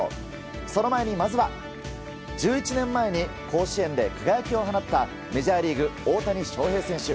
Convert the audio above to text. その前にまずは１１年前に甲子園で輝きを放ったメジャーリーグ、大谷翔平選手。